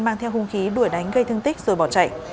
mang theo hung khí đuổi đánh gây thương tích rồi bỏ chạy